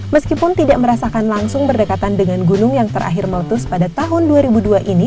meskipun tidak merasakan langsung berdekatan dengan gunung yang terakhir meletus pada tahun dua ribu dua ini